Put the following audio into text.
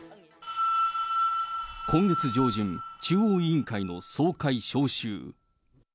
今月上旬、中央委員会の総会招集。